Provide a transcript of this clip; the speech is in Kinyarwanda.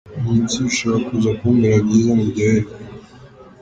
munsi bishobora kuza kumbera byiza!! Muryoherwe.